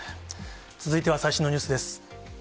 続いては最新のニュースです。